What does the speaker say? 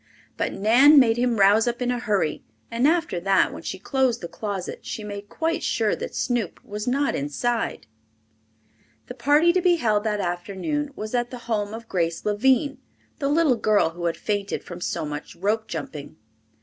But Nan made him rouse up in a hurry, and after that when she closed the closet she made quite sure that Snoop was not inside. The party to be held that afternoon was at the home of Grace Lavine, the little girl who had fainted from so much rope jumping.